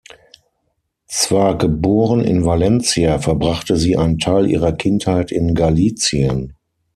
Zwar geboren in Valencia, verbrachte sie einen Teil ihrer Kindheit in Galicien.